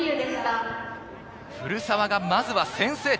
古澤がまずは先制点。